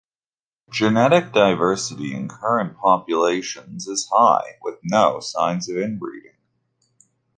Genetic diversity in current populations is high with no signs of inbreeding.